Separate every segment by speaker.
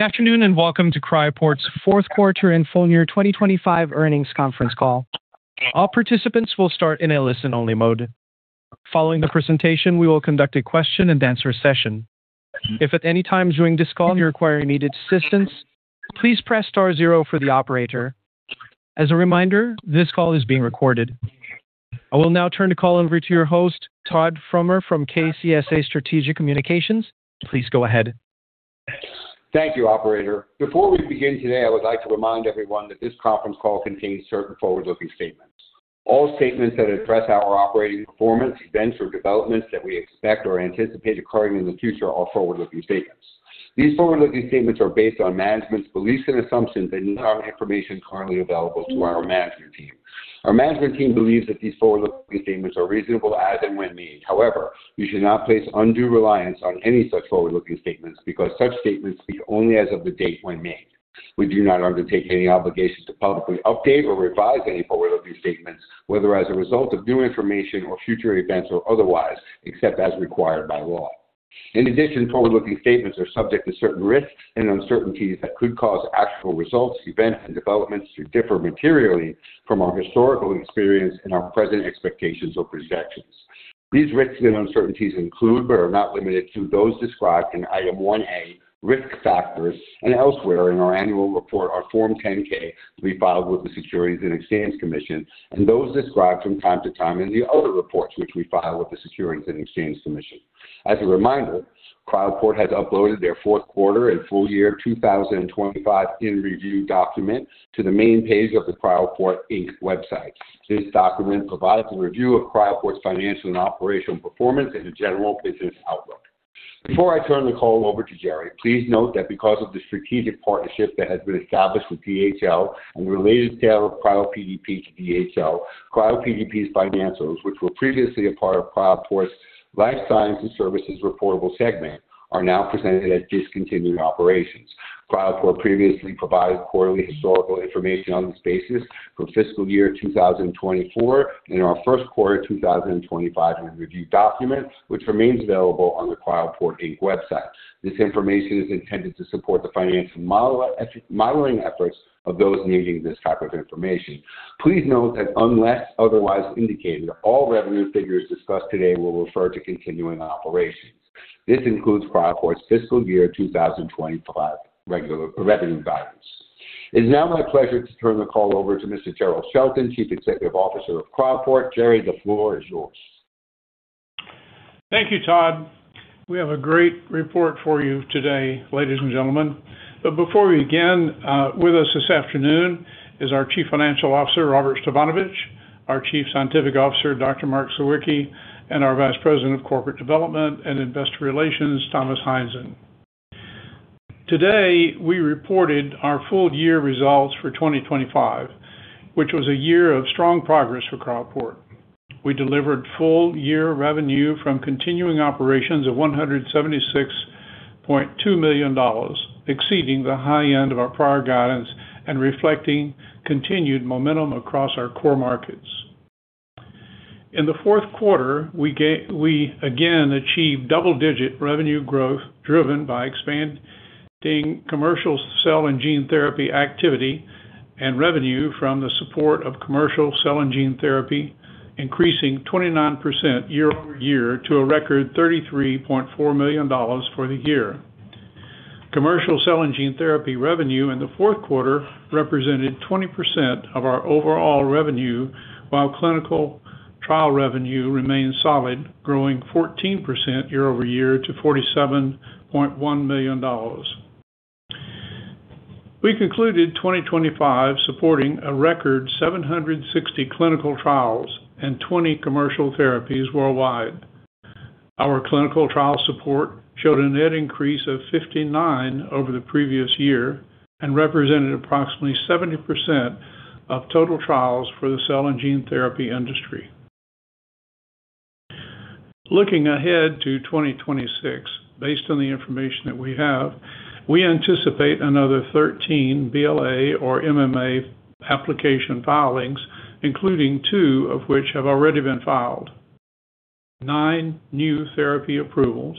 Speaker 1: Good afternoon. Welcome to Cryoport's fourth quarter and full year 2025 earnings conference call. All participants will start in a listen-only mode. Following the presentation, we will conduct a question-and-answer session. If at any time during this call you require needed assistance, please press star zero for the operator. As a reminder, this call is being recorded. I will now turn the call over to your host, Todd Fromer from KCSA Strategic Communications. Please go ahead.
Speaker 2: Thank you, operator. Before we begin today, I would like to remind everyone that this conference call contains certain forward-looking statements. All statements that address our operating performance, events or developments that we expect or anticipate occurring in the future are forward-looking statements. These forward-looking statements are based on management's beliefs and assumptions and are information currently available to our management team. Our management team believes that these forward-looking statements are reasonable as and when made. However, you should not place undue reliance on any such forward-looking statements because such statements speak only as of the date when made. We do not undertake any obligation to publicly update or revise any forward-looking statements, whether as a result of new information or future events or otherwise, except as required by law. In addition, forward-looking statements are subject to certain risks and uncertainties that could cause actual results, events and developments to differ materially from our historical experience and our present expectations or projections. These risks and uncertainties include, but are not limited to, those described in Item 1A, Risk Factors, and elsewhere in our annual report on Form 10-K we filed with the Securities and Exchange Commission, and those described from time to time in the other reports which we file with the Securities and Exchange Commission. As a reminder, Cryoport has uploaded their fourth quarter and full year 2025 in review document to the main page of the Cryoport, Inc. website. This document provides a review of Cryoport's financial and operational performance and the general business outlook. Before I turn the call over to Jerry, please note that because of the strategic partnership that has been established with DHL and the related sale of CRYOPDP to DHL, CRYOPDP's financials, which were previously a part of Cryoport's Life Science and Services Reportable Segment, are now presented as discontinued operations. Cryoport previously provided 1/4ly historical information on this basis for fiscal year 2024 in our first 1/4 2025 in review document, which remains available on the Cryoport Inc. website. This information is intended to support the financial model modeling efforts of those needing this type of information. Please note that unless otherwise indicated, all revenue figures discussed today will refer to continuing operations. This includes Cryoport's fiscal year 2025 revenue guidance. It's now my pleasure to turn the call over to Mr. Jerrell Shelton, Chief Executive Officer of Cryoport. Jerry, the floor is yours.
Speaker 3: Thank you, Todd. We have a great report for you today, ladies and gentlemen. Before we begin, with us this afternoon is our Chief Financial Officer, Robert Stefanovich, our Chief Scientific Officer, Mark Sawicki, and our Vice President of Corporate Development and Investor Relations, Thomas Heinzen. Today, we reported our full year results for 2025, which was a year of strong progress for Cryoport. We delivered full year revenue from continuing operations of $176.2 million, exceeding the high end of our prior guidance and reflecting continued momentum across our core markets. In the fourth quarter, we again achieved double-digit revenue growth driven by expanding commercial cell and gene therapy activity and revenue from the support of commercial cell and gene therapy, increasing 29% year-over-year to a record $33.4 million for the year. Commercial cell and gene therapy revenue in the fourth quarter represented 20% of our overall revenue, while clinical trial revenue remains solid, growing 14% year-over-year to $47.1 million. We concluded 2025 supporting a record 760 clinical trials and 20 commercial therapies worldwide. Our clinical trial support showed a net increase of 59 over the previous year and represented approximately 70% of total trials for the cell and gene therapy industry. Looking ahead to 2026, based on the information that we have, we anticipate another 13 BLA or MAA application filings, including 2 of which have already been filed, 9 new therapy approvals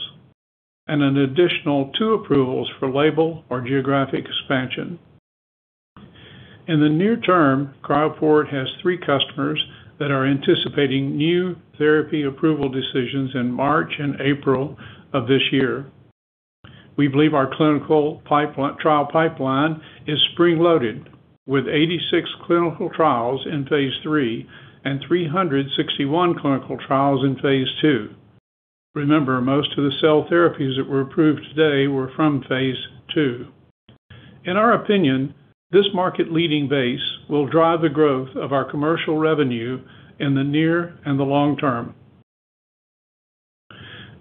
Speaker 3: and an additional 2 approvals for label or geographic expansion. In the near term, Cryoport has 3 customers that are anticipating new therapy approval decisions in March and April of this year. We believe our clinical trial pipeline is spring-loaded with 86 clinical trials in phase III and 361 clinical trials in phase II. Remember, most of the cell therapies that were approved today were from phase II. In our opinion, this market leading base will drive the growth of our commercial revenue in the near and the long term.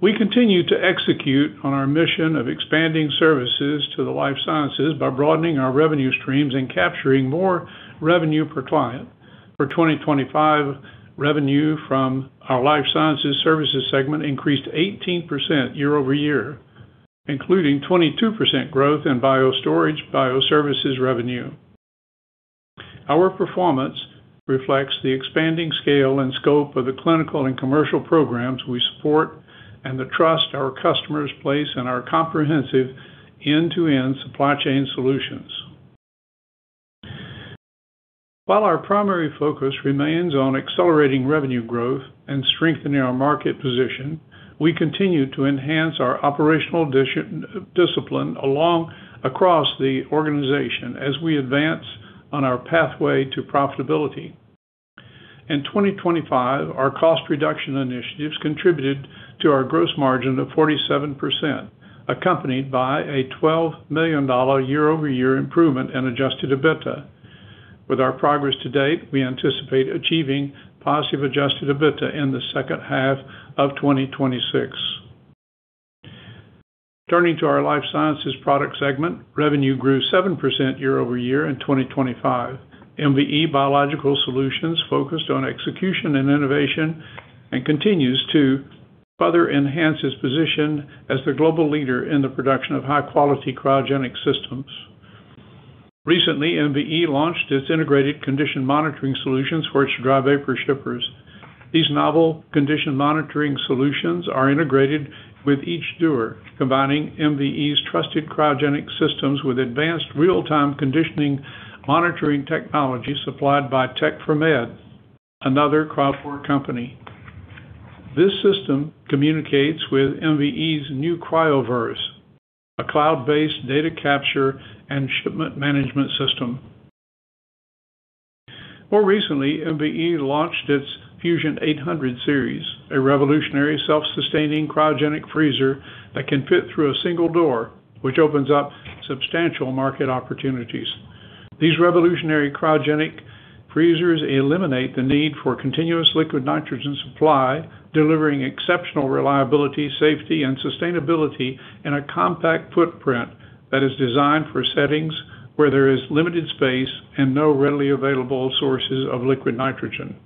Speaker 3: We continue to execute on our mission of expanding services to the life sciences by broadening our revenue streams and capturing more revenue per client. For 2025, revenue from our life sciences services segment increased 18% year-over-year, including 22% growth in biostorage, bioservices revenue. Our performance reflects the expanding scale and scope of the clinical and commercial programs we support and the trust our customers place in our comprehensive end-to-end supply chain solutions. While our primary focus remains on accelerating revenue growth and strengthening our market position, we continue to enhance our operational discipline across the organization as we advance on our pathway to profitability. In 2025, our cost reduction initiatives contributed to our gross margin of 47%, accompanied by a $12 million year-over-year improvement in adjusted EBITDA. With our progress to date, we anticipate achieving positive adjusted EBITDA in the second half of 2026. Turning to our life sciences product segment, revenue grew 7% year-over-year in 2025. MVE Biological Solutions focused on execution and innovation and continues to further enhance its position as the global leader in the production of high-quality cryogenic systems. Recently, MVE launched its integrated condition monitoring solutions for its dry vapor shippers. These novel condition monitoring solutions are integrated with each dewar, combining MVE's trusted cryogenic systems with advanced real-time conditioning monitoring technology supplied by Tec4med, another Cryoport company. This system communicates with MVE's new CryoVerse, a cloud-based data capture and shipment management system. More recently, MVE launched its Fusion 800 Series, a revolutionary self-sustaining cryogenic freezer that can fit through a single door, which opens up substantial market opportunities. These revolutionary cryogenic freezers eliminate the need for continuous liquid nitrogen supply, delivering exceptional reliability, safety, and sustainability in a compact footprint that is designed for settings where there is limited space and no readily available sources of liquid nitrogen.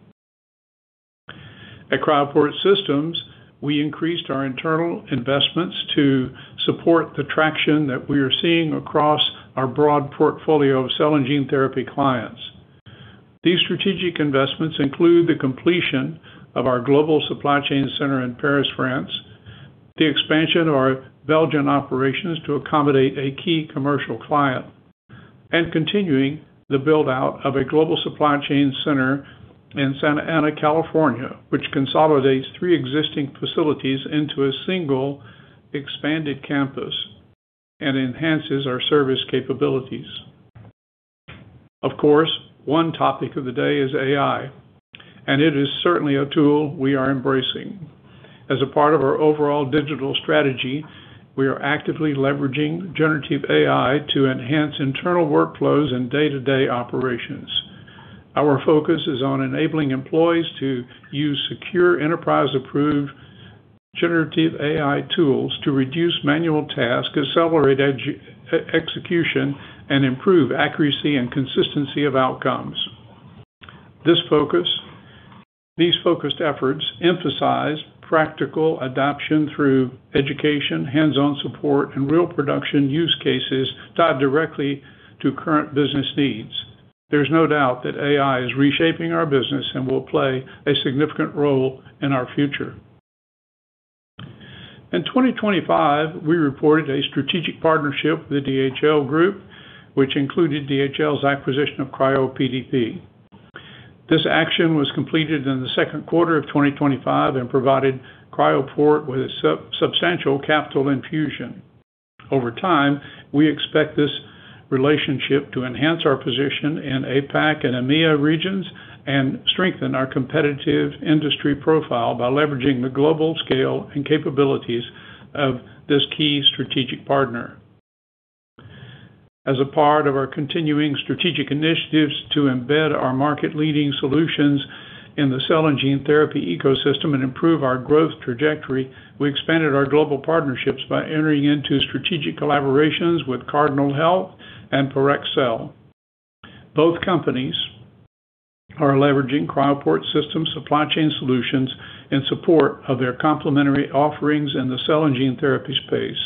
Speaker 3: At Cryoport Systems, we increased our internal investments to support the traction that we are seeing across our broad portfolio of cell and gene therapy clients. These strategic investments include the completion of our global supply chain center in Paris, France, the expansion of our Belgian operations to accommodate a key commercial client, and continuing the build-out of a global supply chain center in Santa Ana, California, which consolidates 3 existing facilities into a single expanded campus and enhances our service capabilities. Of course, 1 topic of the day is AI, and it is certainly a tool we are embracing. As a part of our overall digital strategy, we are actively leveraging generative AI to enhance internal workflows and day-to-day operations. Our focus is on enabling employees to use secure enterprise-approved generative AI tools to reduce manual tasks, accelerate execution, and improve accuracy and consistency of outcomes. These focused efforts emphasize practical adoption through education, hands-on support, and real production use cases tied directly to current business needs. There's no doubt that AI is reshaping our business and will play a significant role in our future. In 2025, we reported a strategic partnership with DHL Group, which included DHL's acquisition of CRYOPDP. This action was completed in the second 1/4 of 2025 and provided Cryoport with a substantial capital infusion. Over time, we expect this relationship to enhance our position in APAC and EMEIA regions and strengthen our competitive industry profile by leveraging the global scale and capabilities of this key strategic partner. As a part of our continuing strategic initiatives to embed our market-leading solutions in the cell and gene therapy ecosystem and improve our growth trajectory, we expanded our global partnerships by entering into strategic collaborations with Cardinal Health and Parexel. Both companies are leveraging Cryoport Systems supply chain solutions in support of their complementary offerings in the cell and gene therapy space.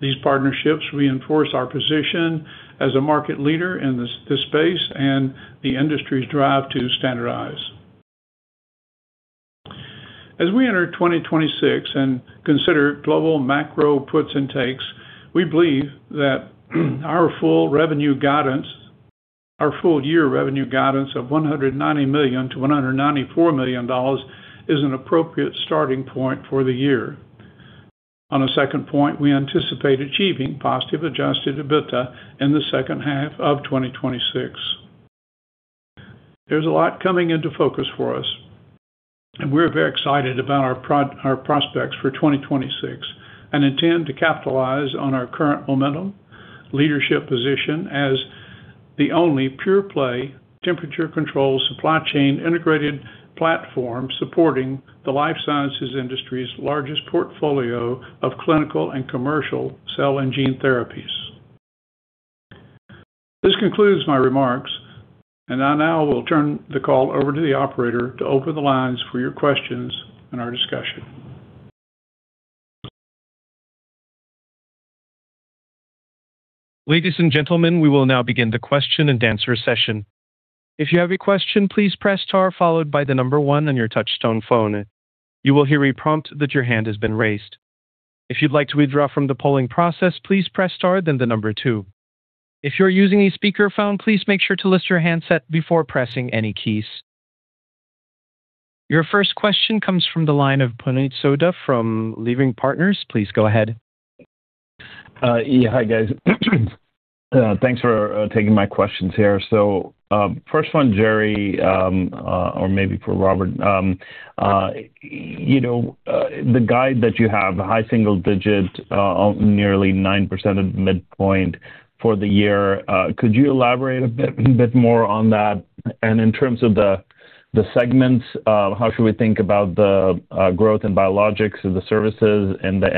Speaker 3: These partnerships reinforce our position as a market leader in this space and the industry's drive to standardize. As we enter 2026 and consider global macro puts and takes, we believe that our full year revenue guidance of $190 million-$194 million is an appropriate starting point for the year. On a second point, we anticipate achieving positive adjusted EBITDA in the second half of 2026. There's a lot coming into focus for us. We're very excited about our prospects for 2026 and intend to capitalize on our current momentum, leadership position as the only pure-play temperature control supply chain integrated platform supporting the life sciences industry's largest portfolio of clinical and commercial cell and gene therapies. This concludes my remarks, and I now will turn the call over to the operator to open the lines for your questions and our discussion.
Speaker 1: Ladies and gentlemen, we will now begin the question and answer session. If you have a question, please press star followed by 1 on your touch-tone phone. You will hear a prompt that your hand has been raised. If you'd like to withdraw from the polling process, please press star, then 2. If you're using a speakerphone, please make sure to list your handset before pressing any keys. Your first question comes from the line of Puneet Souda from Leerink Partners. Please go ahead.
Speaker 4: Yeah. Hi, guys. Thanks for taking my questions here. First one, Jerry, or maybe for Robert, you know, the guide that you have, high single digit, nearly 9% at midpoint for the year, could you elaborate a bit more on that? In terms of the segments, how should we think about the growth in biologics and the services and the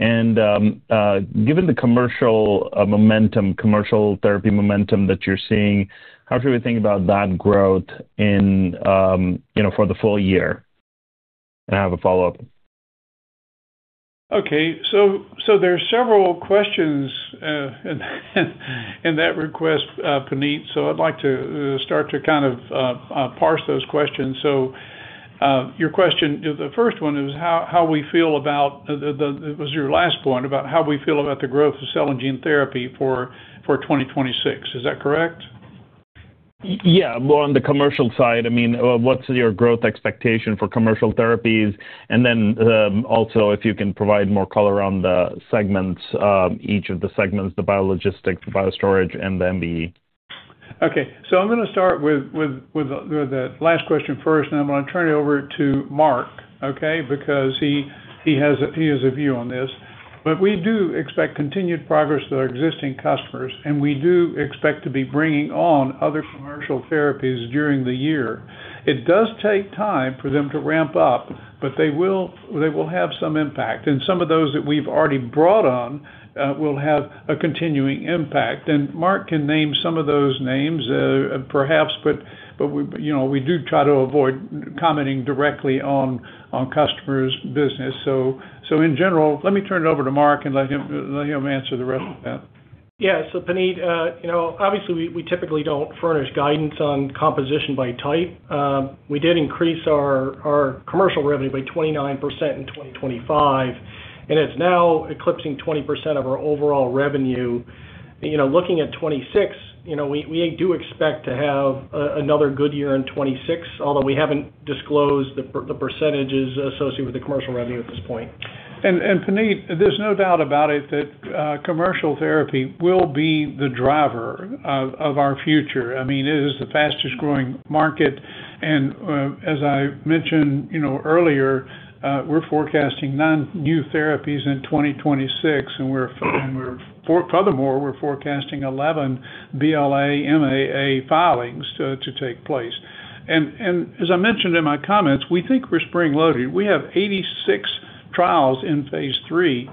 Speaker 4: MVE? Given the commercial momentum, commercial therapy momentum that you're seeing, how should we think about that growth in, you know, for the full year? I have a follow-up.
Speaker 3: Okay. There are several questions, in that request, Puneet. I'd like to start to kind of parse those questions. Your question, the first 1 is how we feel about the... It was your last point about how we feel about the growth of cell and gene therapy for 2026. Is that correct?
Speaker 4: Yeah. More on the commercial side. I mean, what's your growth expectation for commercial therapies? Also if you can provide more color on the segments, each of the segments, the biologistics, the biostorage, and the MVE.
Speaker 3: Okay. I'm gonna start with the last question first, and I'm gonna turn it over to Mark, okay? Because he has a view on this. We do expect continued progress with our existing customers, and we do expect to be bringing on other commercial therapies during the year. It does take time for them to ramp up, but they will have some impact. Some of those that we've already brought on will have a continuing impact. Mark can name some of those names, perhaps, but, you know, we do try to avoid commenting directly on customers' business. In general, let me turn it over to Mark and let him answer the rest of that.
Speaker 5: Yeah. Puneet Souda, you know, obviously, we typically don't furnish guidance on composition by type. We did increase our commercial revenue by 29% in 2025, it's now eclipsing 20% of our overall revenue. You know, looking at 2026, you know, we do expect to have another good year in 2026, although we haven't disclosed the percentages associated with the commercial revenue at this point.
Speaker 3: Puneet, there's no doubt about it that commercial therapy will be the driver of our future. I mean, it is the fastest-growing market. As I mentioned, you know, earlier, we're forecasting 9 new therapies in 2026, furthermore, we're forecasting 11 BLA/MAA filings to take place. As I mentioned in my comments, we think we're spring-loaded. We have 86 trials in phase III,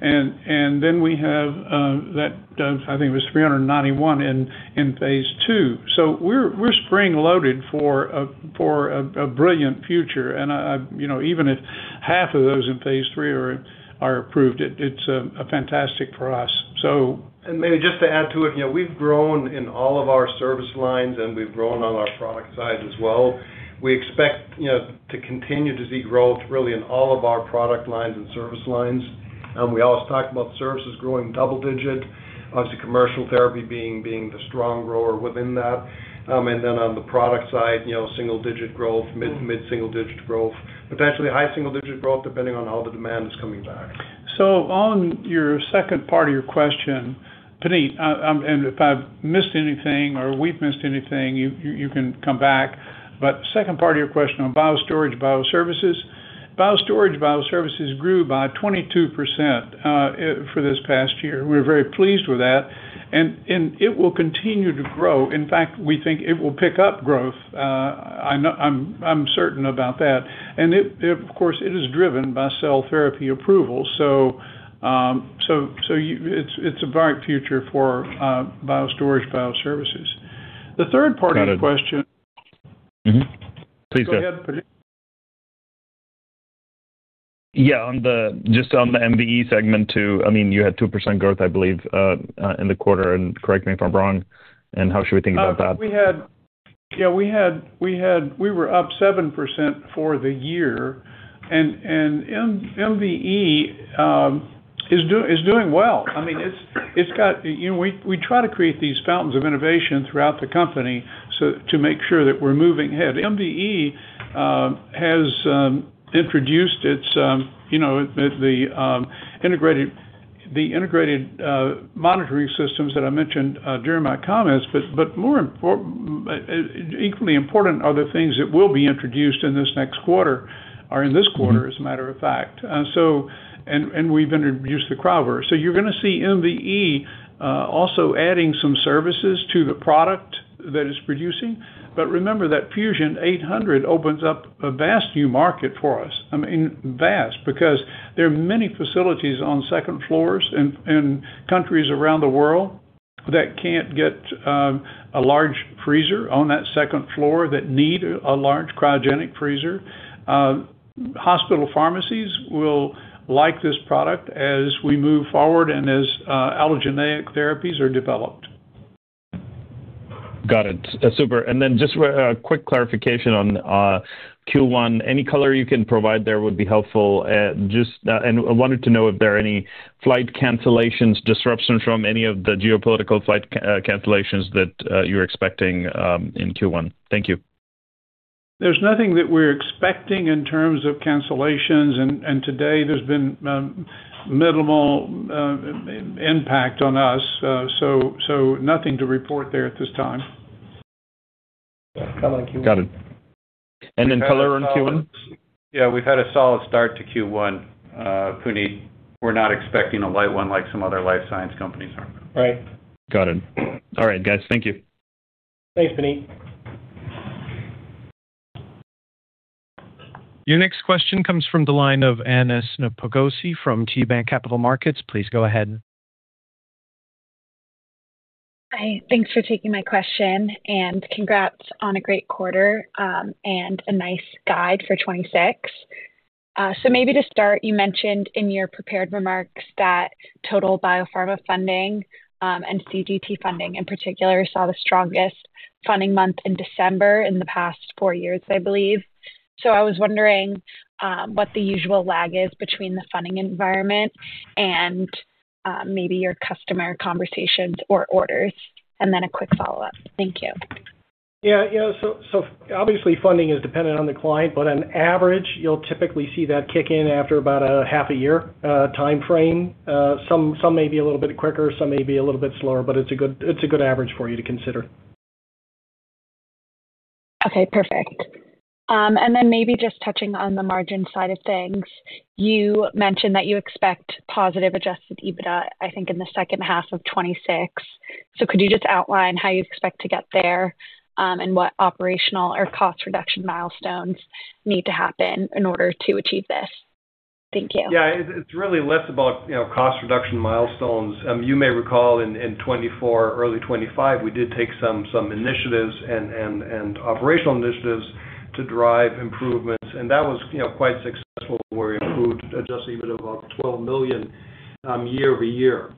Speaker 3: and then we have that, I think it was 391 in phase II. We're spring-loaded for a brilliant future. You know, even if half of those in phase III are approved, it's a fantastic for us.
Speaker 6: Maybe just to add to it, you know, we've grown in all of our service lines, and we've grown on our product side as well. We expect, you know, to continue to see growth really in all of our product lines and service lines. We always talk about services growing double digit. Obviously, commercial therapy being the strong grower within that. And then on the product side, you know, single-digit growth, mid single digit growth, potentially high single digit growth, depending on how the demand is coming back.
Speaker 3: On your second part of your question, Puneet, and if I've missed anything or we've missed anything, you can come back. Second part of your question on biostorage, bioservices. Biostorage, bioservices grew by 22% for this past year. We're very pleased with that. It will continue to grow. In fact, we think it will pick up growth. I'm certain about that. It, of course, it is driven by cell therapy approval. It's a bright future for biostorage, bioservices. The third part of your question-
Speaker 4: Got it. Mm-hmm. Please go ahead.
Speaker 3: Go ahead, Puneet.
Speaker 4: Yeah. Just on the MVE segment too, I mean, you had 2% growth, I believe, in the 1/4, and correct me if I'm wrong, how should we think about that?
Speaker 3: Yeah, we were up 7% for the year. MVE is doing well. I mean, it's got... You know, we try to create these fountains of innovation throughout the company to make sure that we're moving ahead. MVE has introduced its, you know, the integrated monitoring systems that I mentioned during my comments. Equally important are the things that will be introduced in this next 1/4 or in this 1/4, as a matter of fact. We've introduced the CryoVerse. You're gonna see MVE also adding some services to the product that it's producing. Remember that Fusion 800 opens up a vast new market for us. I mean, vast, because there are many facilities on second floors in countries around the world.
Speaker 5: That can't get a large freezer on that second floor that need a large cryogenic freezer. Hospital pharmacies will like this product as we move forward and as allogeneic therapies are developed.
Speaker 4: Got it. Super. Just a quick clarification on Q1? Any color you can provide there would be helpful. I wanted to know if there are any flight cancellations, disruptions from any of the geopolitical flight cancellations that you're expecting in Q1. Thank you.
Speaker 5: There's nothing that we're expecting in terms of cancellations, and today there's been, minimal, impact on us. Nothing to report there at this time.
Speaker 4: Got it. Color on Q1?
Speaker 6: Yeah, we've had a solid start to Q1, Puneet. We're not expecting a light 1 like some other life science companies are.
Speaker 4: Right. Got it. All right, guys. Thank you.
Speaker 5: Thanks, Puneet.
Speaker 1: Your next question comes from the line of Anna Snopkowski from KeyBank Capital Markets. Please go ahead.
Speaker 7: Hi. Thanks for taking my question, and congrats on a great 1/4, and a nice guide for 26. Maybe to start, you mentioned in your prepared remarks that total biopharma funding, and CGT funding in particular, saw the strongest funding month in December in the past 4 years, I believe. I was wondering what the usual lag is between the funding environment and maybe your customer conversations or orders. A quick follow-up. Thank you.
Speaker 5: Yeah. Obviously funding is dependent on the client, but on average, you'll typically see that kick in after about half a year time frame. Some may be a little bit quicker, some may be a little bit slower, but it's a good average for you to consider.
Speaker 7: Okay, perfect. Maybe just touching on the margin side of things, you mentioned that you expect positive adjusted EBITDA, I think, in the second half of 2026. Could you just outline how you expect to get there, and what operational or cost reduction milestones need to happen in order to achieve this? Thank you.
Speaker 6: Yeah. It's really less about cost reduction milestones. You may recall in 2024, early 2025, we did take some initiatives and operational initiatives to drive improvements, and that was, you know, quite successful. We improved adjusted EBITDA about $12 million year-over-year.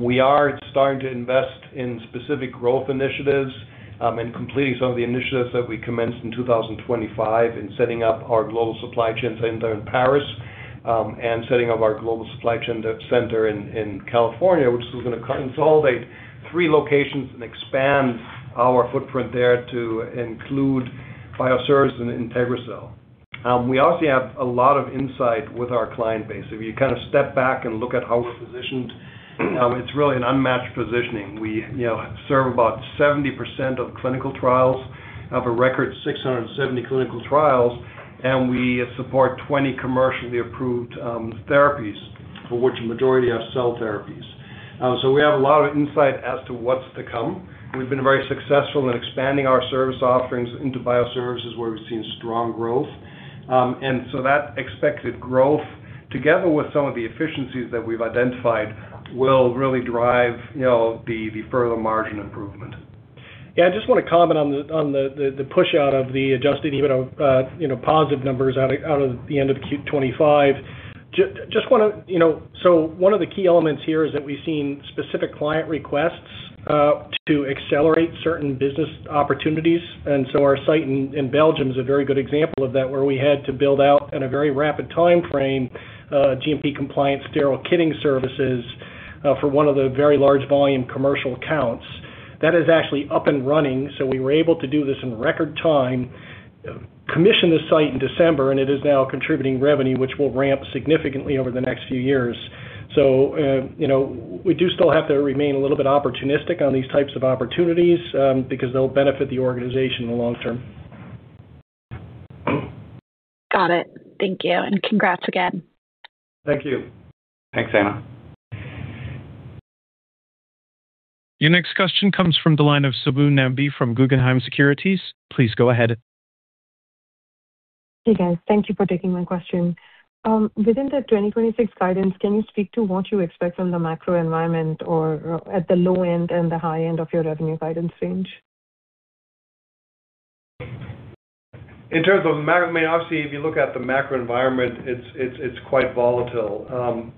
Speaker 6: We are starting to invest in specific growth initiatives and completing some of the initiatives that we commenced in 2025 in setting up our global supply chain center in Paris and setting up our global supply chain center in California, which is going to consolidate 3 locations and expand our footprint there to include bioservices and IntegriCell. We also have a lot of insight with our client base. If you kind of step back and look at how we're positioned, it's really an unmatched positioning. We, you know, serve about 70% of clinical trials, have a record 670 clinical trials, and we support 20 commercially approved, therapies, for which a majority are cell therapies. We have a lot of insight as to what's to come. We've been very successful in expanding our service offerings into bioservices, where we've seen strong growth. That expected growth, together with some of the efficiencies that we've identified, will really drive, you know, the further margin improvement.
Speaker 5: I just want to comment on the push out of the adjusted EBITDA, you know, positive numbers out of the end of Q 25. You know, 1 of the key elements here is that we've seen specific client requests to accelerate certain business opportunities. Our site in Belgium is a very good example of that, where we had to build out in a very rapid timeframe, GMP compliant sterile kitting services for 1 of the very large volume commercial accounts. That is actually up and running. We were able to do this in record time, commission the site in December, and it is now contributing revenue, which will ramp significantly over the next few years. you know, we do still have to remain a little bit opportunistic on these types of opportunities, because they'll benefit the organization in the long term.
Speaker 7: Got it. Thank you, and congrats again.
Speaker 5: Thank you.
Speaker 6: Thanks, Anna.
Speaker 1: Your next question comes from the line of Subbu Nambi from Guggenheim Securities. Please go ahead.
Speaker 8: Hey, guys. Thank you for taking my question. Within the 2026 guidance, can you speak to what you expect from the macro environment or at the low end and the high end of your revenue guidance range?
Speaker 6: In terms of I mean, obviously, if you look at the macro environment, it's quite volatile.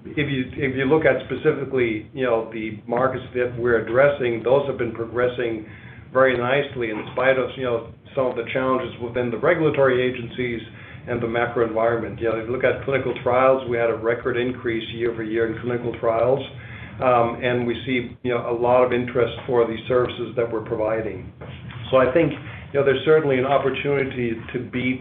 Speaker 6: If you look at specifically, you know, the markets that we're addressing, those have been progressing very nicely in spite of, you know, some of the challenges within the regulatory agencies and the macro environment. You know, if you look at clinical trials, we had a record increase year-over-year in clinical trials, and we see, you know, a lot of interest for the services that we're providing. I think, you know, there's certainly an opportunity to beat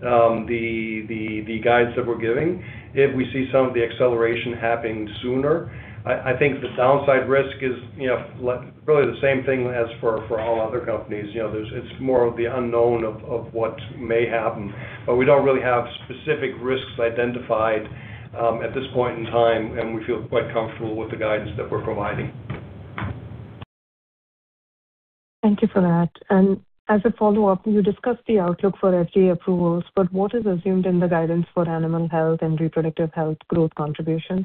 Speaker 6: the guidance that we're giving if we see some of the acceleration happening sooner. I think the downside risk is, you know, really the same thing as for all other companies. You know, there's it's more of the unknown of what may happen. We don't really have specific risks identified, at this point in time. We feel quite comfortable with the guidance that we're providing.
Speaker 8: Thank you for that. As a follow-up, you discussed the outlook for FDA approvals, but what is assumed in the guidance for animal health and reproductive health growth contributions?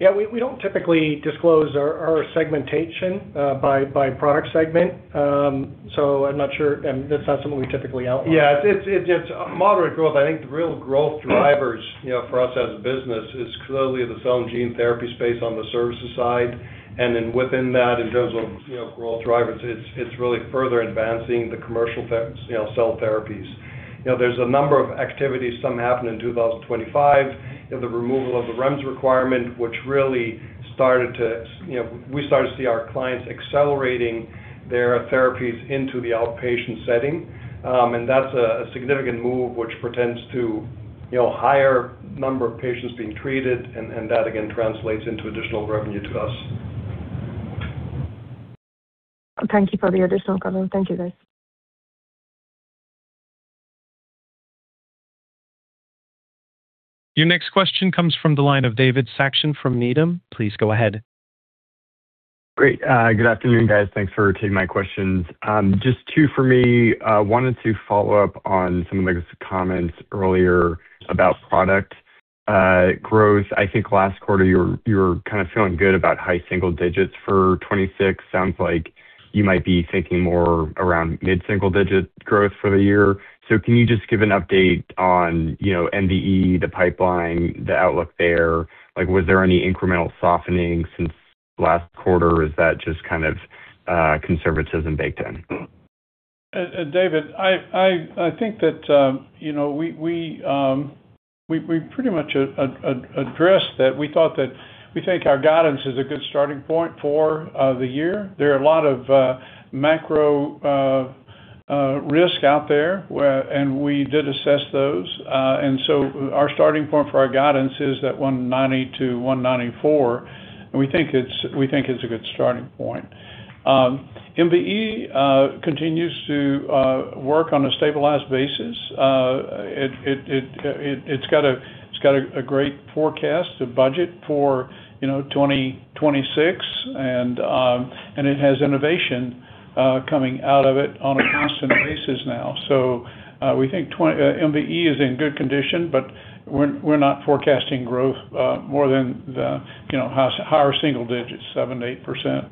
Speaker 5: Yeah, we don't typically disclose our segmentation by product segment. So I'm not sure. That's not something we typically outline.
Speaker 3: Yeah. It's moderate growth. I think the real growth drivers, you know, for us as a business is clearly the cell and gene therapy space on the services side. And then within that, in terms of, you know, growth drivers, it's really further advancing the commercial you know, cell therapies. You know, there's a number of activities, some happen in 2025. You know, the removal of the REMS requirement, which really started to... You know, we started to see our clients accelerating their therapies into the outpatient setting. And that's a significant move which portends to, you know, higher number of patients being treated, and that, again, translates into additional revenue to us.
Speaker 8: Thank you for the additional color. Thank you, guys.
Speaker 1: Your next question comes from the line of David Saxon from Needham & Company. Please go ahead.
Speaker 9: Great. good afternoon, guys. Thanks for taking my questions. Just 2 for me. wanted to follow up on some of the comments earlier about product growth. I think last 1/4, you were kind of feeling good about high single digits for 2026. Sounds like you might be thinking more around mid-single digit growth for the year. Can you just give an update on, you know, NVE, the pipeline, the outlook there? Like, was there any incremental softening since last 1/4, or is that just kind of conservatism baked in?
Speaker 3: David, I, I think that, you know, we pretty much addressed that. We think our guidance is a good starting point for the year. There are a lot of macro risk out there, we did assess those. Our starting point for our guidance is that $190-$194, and we think it's a good starting point. NVE continues to work on a stabilized basis. It's got a great forecast, a budget for, you know, 2026, and it has innovation coming out of it on a constant basis now. We think NVE is in good condition, but we're not forecasting growth, more than the, you know, higher single digits, 7%-8%.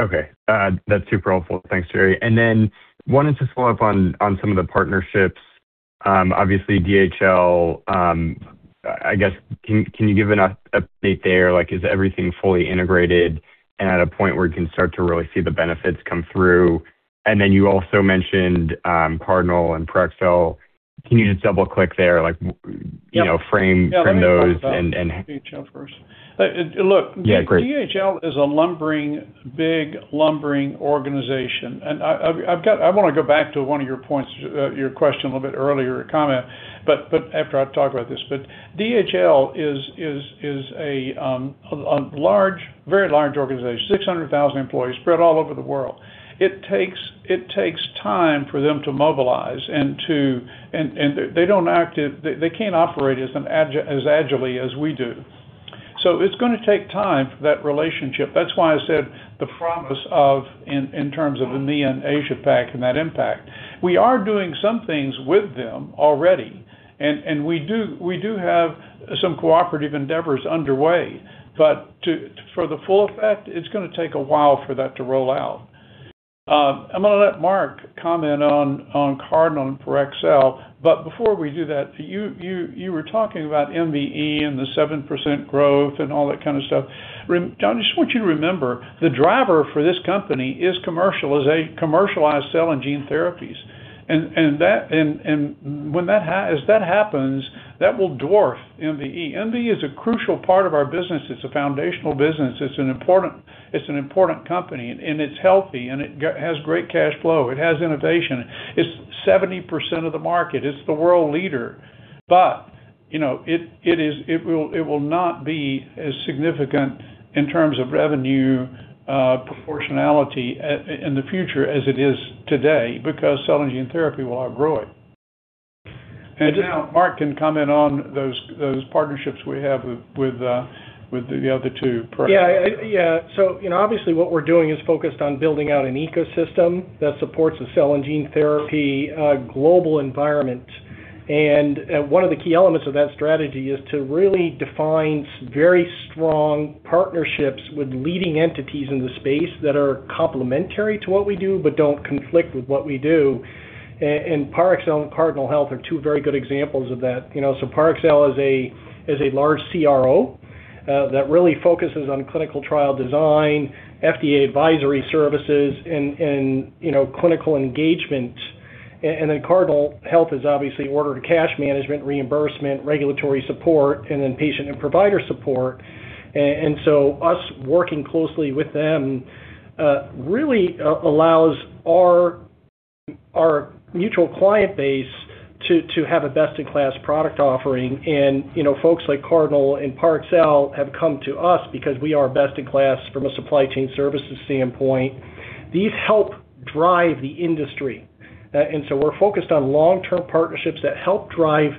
Speaker 9: Okay. That's super helpful. Thanks, Jerry. Wanted to follow up on some of the partnerships. Obviously DHL. I guess can you give an update there? Like, is everything fully integrated and at a point where you can start to really see the benefits come through? You also mentioned Cardinal and Parexel. Can you just double-click there? Like, you know, frame those.
Speaker 3: Yeah. Let me talk about DHL first.
Speaker 9: Yeah. Great.
Speaker 3: Look, DHL is a lumbering, big lumbering organization. I've got I wanna go back to 1 of your points, your question a little bit earlier, a comment, but after I talk about this. DHL is a large, very large organization, 600,000 employees spread all over the world. It takes time for them to mobilize and to. They can't operate as agilely as we do. It's gonna take time for that relationship. That's why I said the promise of in terms of EMEA and Asia Pac and that impact. We are doing some things with them already, we do have some cooperative endeavors underway. For the full effect, it's gonna take a while for that to roll out. I'm gonna let Mark comment on Cardinal and Parexel. Before we do that, you were talking about NVE and the 7% growth and all that kind of stuff. I just want you to remember, the driver for this company is a commercialized cell and gene therapies. When that happens, that will dwarf NVE. NVE is a crucial part of our business. It's a foundational business. It's an important, it's an important company, and it's healthy, and it has great cash flow. It has innovation. It's 70% of the market. It's the world leader. You know, it will not be as significant in terms of revenue, proportionality in the future as it is today because cell and gene therapy will outgrow it.
Speaker 9: just-
Speaker 3: Now Mark can comment on those partnerships we have with the other 2, Parexel and Cardinal.
Speaker 5: Yeah. Yeah. You know, obviously, what we're doing is focused on building out an ecosystem that supports a cell and gene therapy global environment. 1 of the key elements of that strategy is to really define very strong partnerships with leading entities in the space that are complementary to what we do, but don't conflict with what we do. Parexel and Cardinal Health are 2 very good examples of that. You know, so Parexel is a large CRO that really focuses on clinical trial design, FDA advisory services and, you know, clinical engagement. Cardinal Health is obviously order to cash management, reimbursement, regulatory support, and then patient and provider support. Us working closely with them really allows our mutual client base to have a best-in-class product offering. You know, folks like Cardinal and Parexel have come to us because we are best in class from a supply chain services standpoint. These help drive the industry. We're focused on long-term partnerships that help drive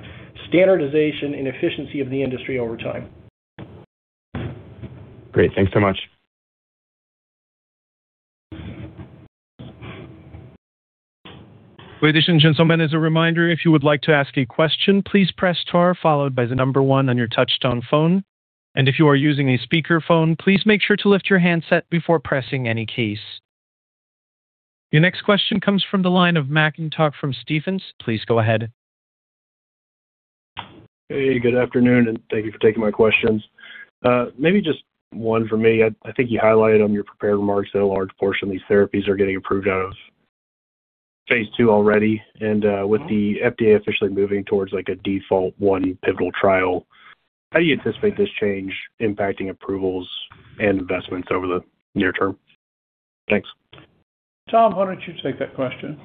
Speaker 5: standardization and efficiency of the industry over time.
Speaker 9: Great. Thanks so much.
Speaker 1: Ladies and gentlemen, as a reminder, if you would like to ask a question, please press star followed by 1 on your touchtone phone. If you are using a speakerphone, please make sure to lift your handset before pressing any keys. Your next question comes from the line of Jacob Johnson from Stephens. Please go ahead.
Speaker 10: Hey, good afternoon, and thank you for taking my questions. Maybe just 1 for me. I think you highlighted on your prepared remarks that a large portion of these therapies are getting approved out of phase 2 already. With the FDA officially moving towards, like a default 1 pivotal trial, how do you anticipate this change impacting approvals and investments over the near term? Thanks.
Speaker 3: Tom, why don't you take that question?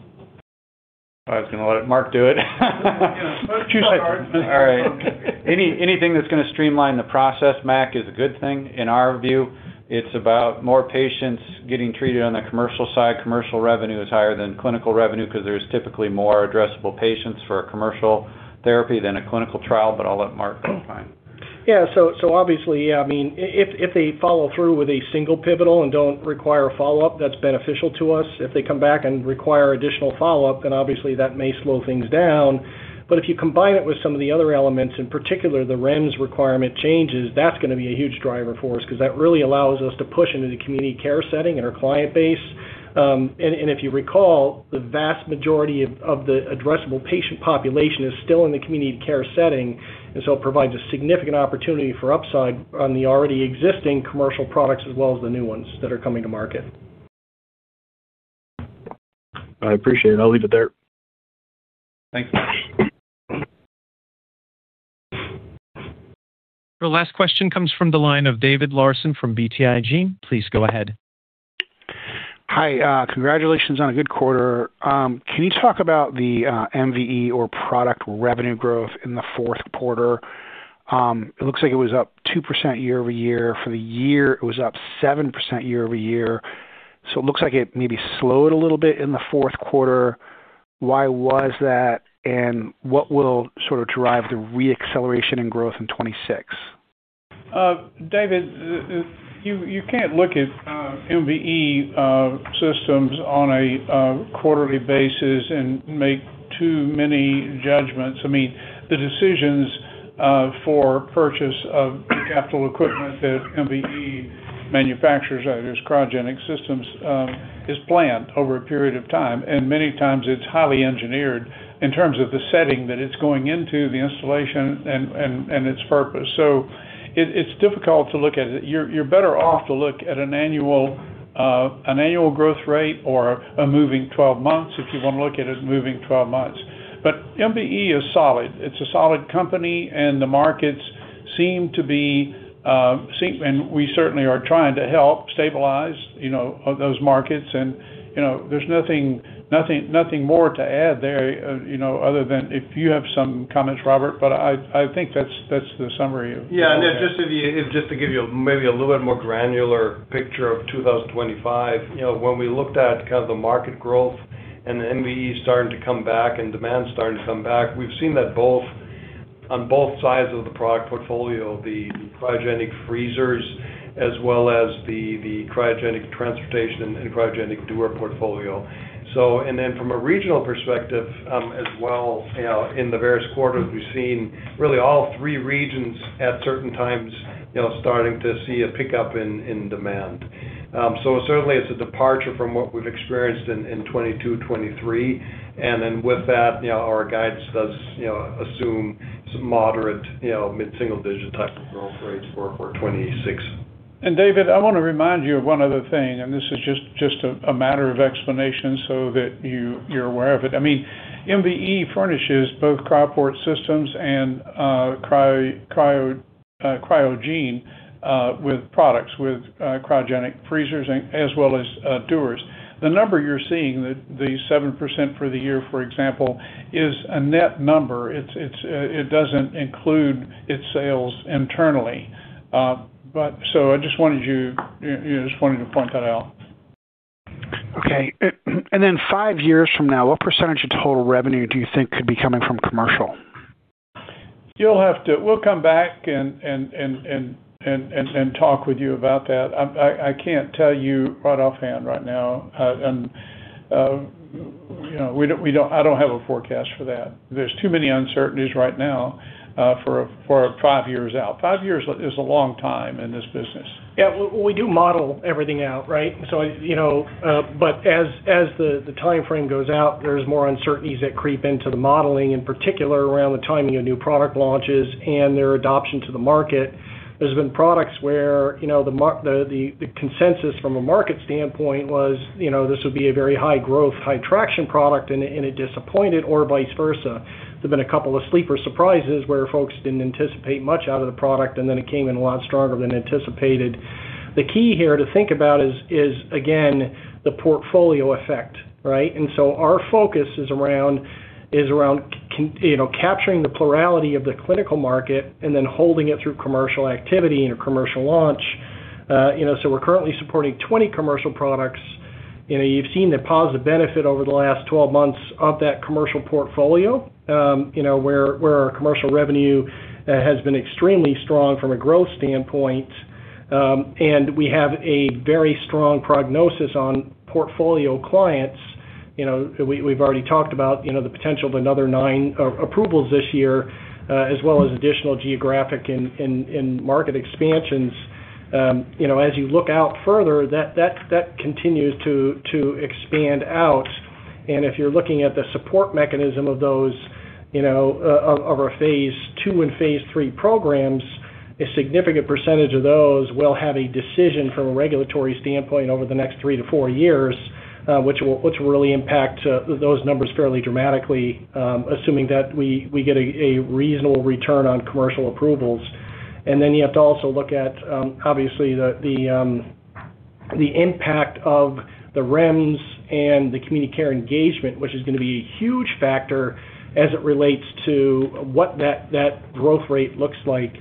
Speaker 11: I was gonna let Mark do it.
Speaker 3: Yeah.
Speaker 11: All right. Anything that's gonna streamline the process, Mac, is a good thing. In our view, it's about more patients getting treated on the commercial side. Commercial revenue is higher than clinical revenue 'cause there's typically more addressable patients for a commercial therapy than a clinical trial. I'll let Mark comment.
Speaker 5: Yeah. Obviously, yeah, I mean, if they follow through with a single pivotal and don't require follow-up, that's beneficial to us. If they come back and require additional follow-up, then obviously that may slow things down. If you combine it with some of the other elements, in particular, the REMS requirement changes, that's gonna be a huge driver for us 'cause that really allows us to push into the community care setting and our client base. If you recall, the vast majority of the addressable patient population is still in the community care setting, and so it provides a significant opportunity for upside on the already existing commercial products as well as the new ones that are coming to market.
Speaker 10: I appreciate it. I'll leave it there.
Speaker 6: Thanks.
Speaker 1: The last question comes from the line of David Larsen from BTIG. Please go ahead.
Speaker 12: Hi. Congratulations on a good 1/4. Can you talk about the MVE or product revenue growth in the fourth quarter? It looks like it was up 2% year-over-year. For the year, it was up 7% year-over-year. It looks like it maybe slowed a little bit in the fourth quarter. Why was that, and what will sort of drive the re-acceleration in growth in 2026?
Speaker 3: David, you can't look at MVE systems on a 1/4ly basis and make too many judgments. I mean, the decisions for purchase of capital equipment that MVE manufactures as cryogenic systems is planned over a period of time. Many times it's highly engineered in terms of the setting that it's going into the installation and its purpose. It's difficult to look at it. You're better off to look at an annual growth rate or a moving 12 months if you wanna look at it as moving 12 months. MVE is solid. It's a solid company, and the markets seem to be. We certainly are trying to help stabilize, you know, those markets. You know, there's nothing more to add there, you know, other than if you have some comments, Robert, but I think that's the summary.
Speaker 6: Yeah. just to give you maybe a little bit more granular picture of 2025, you know, when we looked at kind of the market growth and the MVE starting to come back and demand starting to come back, we've seen that on both sides of the product portfolio, the cryogenic freezers as well as the cryogenic transportation and cryogenic dewar portfolio. From a regional perspective, as well, you know, in the various 1/4s, we've seen really all 3 regions at certain times, you know, starting to see a pickup in demand. Certainly it's a departure from what we've experienced in 2022, 2023. With that, you know, our guidance does, you know, assume some moderate, you know, mid-single digit type of growth rates for 2026.
Speaker 3: David, I wanna remind you of 1 other thing, and this is just a matter of explanation so that you're aware of it. I mean, MVE furnishes both Cryoport Systems and CRYOGENE with products, with cryogenic freezers as well as dewars. The number you're seeing, the 7% for the year, for example, is a net number. It's it doesn't include its sales internally. I just wanted you. You know, just wanted to point that out.
Speaker 12: Okay. Then 5 years from now, what % of total revenue do you think could be coming from commercial?
Speaker 3: We'll come back and talk with you about that. I can't tell you right offhand right now. You know, I don't have a forecast for that. There's too many uncertainties right now for 5 years out. Five years is a long time in this business.
Speaker 5: Yeah. We do model everything out, right? You know, but as the timeframe goes out, there's more uncertainties that creep into the modeling, in particular, around the timing of new product launches and their adoption to the market. There's been products where, you know, the consensus from a market standpoint was, you know, this would be a very high growth, high traction product, and it disappointed or vice versa. There've been a couple of sleeper surprises where folks didn't anticipate much out of the product, it came in a lot stronger than anticipated. The key here to think about is again, the portfolio effect, right? Our focus is around, you know, capturing the plurality of the clinical market and then holding it through commercial activity and a commercial launch. You know, so we're currently supporting 20 commercial products. You know, you've seen the positive benefit over the last 12 months of that commercial portfolio, you know, where our commercial revenue has been extremely strong from a growth standpoint. We have a very strong prognosis on portfolio clients. You know, we've already talked about, you know, the potential of another 9 approvals this year, as well as additional geographic and market expansions. You know, as you look out further, that continues to expand out. If you're looking at the support mechanism of those, you know, of our phase II and phase III programs, a significant percentage of those will have a decision from a regulatory standpoint over the next 3 to 4 years, which will really impact those numbers fairly dramatically, assuming that we get a reasonable return on commercial approvals. Then you have to also look at, obviously, the impact of the REMS and the community care engagement, which is gonna be a huge factor as it relates to what that growth rate looks like.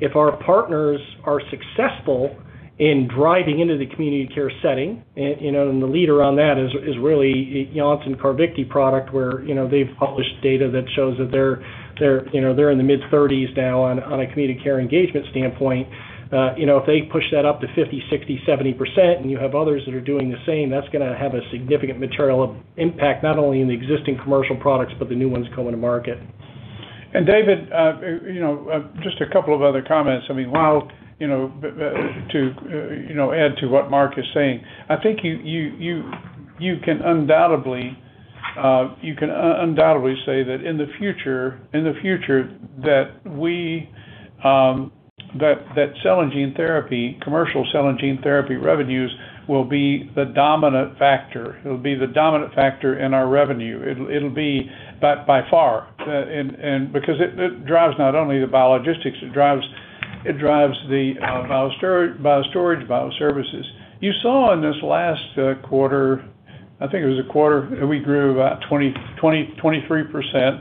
Speaker 5: If our partners are successful in driving into the community care setting, and, you know, and the leader on that is really Janssen CARVYKTI product, where, you know, they've published data that shows that they're, you know, they're in the mid-30s now on a community care engagement standpoint. You know, if they push that up to 50%, 60%, 70% and you have others that are doing the same, that's gonna have a significant material impact, not only in the existing commercial products but the new ones coming to market.
Speaker 3: David, you know, just a couple of other comments. I mean, while, you know, to, you know, add to what Mark is saying. I think you can undoubtedly say that in the future that we that cell and gene therapy, commercial cell and gene therapy revenues will be the dominant factor. It'll be the dominant factor in our revenue. It'll be by far, and because it drives not only the biologistics, it drives the bio storage, bioservices. You saw in this last 1/4, I think it was a 1/4, we grew about 23%.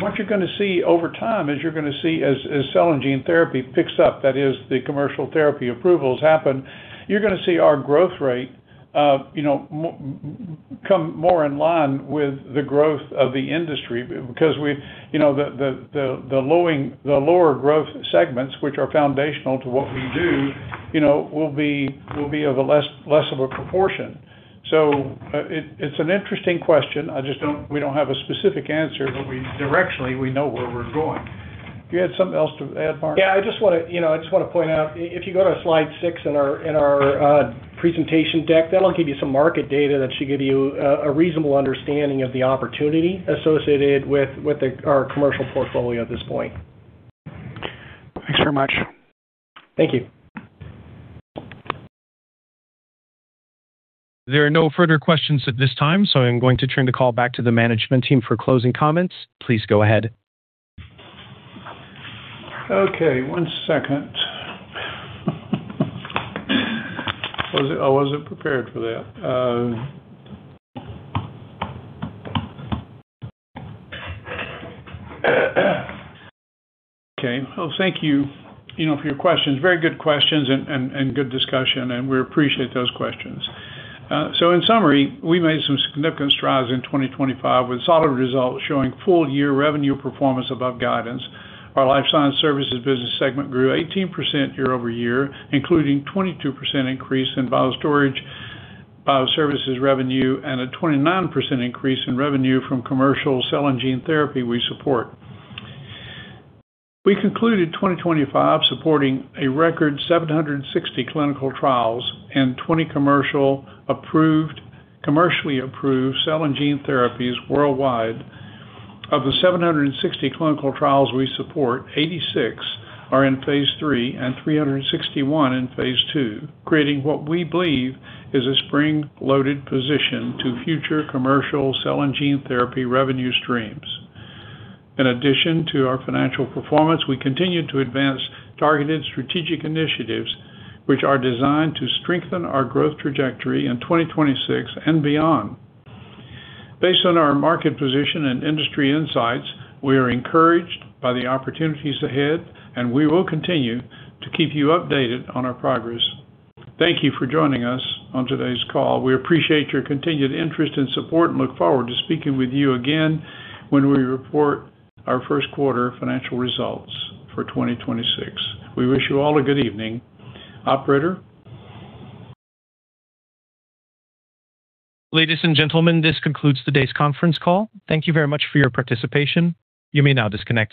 Speaker 3: What you're gonna see over time is you're gonna see as cell and gene therapy picks up, that is the commercial therapy approvals happen, you're gonna see our growth rate, you know, come more in line with the growth of the industry. Because we, you know, the lower growth segments, which are foundational to what we do, you know, will be of a less proportion. It's an interesting question. I just don't we don't have a specific answer, but we directionally, we know where we're going. You had something else to add, Mark?
Speaker 5: Yeah, I just wanna, you know, I just wanna point out, if you go to slide 6 in our presentation deck, that'll give you some market data that should give you a reasonable understanding of the opportunity associated with the, our commercial portfolio at this point.
Speaker 12: Thanks very much.
Speaker 5: Thank you.
Speaker 1: There are no further questions at this time. I'm going to turn the call back to the management team for closing comments. Please go ahead.
Speaker 3: Okay, 1 second. I wasn't prepared for that. Okay. Well, thank you know, for your questions. Very good questions and good discussion, and we appreciate those questions. In summary, we made some significant strides in 2025 with solid results showing full year revenue performance above guidance. Our life science services business segment grew 18% year-over-year, including 22% increase in biostorage, bioservices revenue, a 29% increase in revenue from commercial cell and gene therapy we support. We concluded 2025 supporting a record 760 clinical trials and 20 commercially approved cell and gene therapies worldwide. Of the 760 clinical trials we support, 86 are in phase III and 361 in phase II, creating what we believe is a spring-loaded position to future commercial cell and gene therapy revenue streams. In addition to our financial performance, we continue to advance targeted strategic initiatives which are designed to strengthen our growth trajectory in 2026 and beyond. Based on our market position and industry insights, we are encouraged by the opportunities ahead, and we will continue to keep you updated on our progress. Thank you for joining us on today's call. We appreciate your continued interest and support and look forward to speaking with you again when we report our first 1/4 financial results for 2026. We wish you all a good evening. Operator?
Speaker 1: Ladies and gentlemen, this concludes today's conference call. Thank you very much for your participation. You may now disconnect.